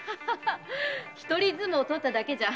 一人相撲をとっただけじゃ。